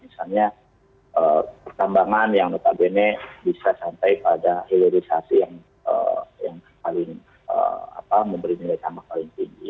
misalnya pertambangan yang notabene bisa sampai pada hilerisasi yang memberi nilai sama paling tinggi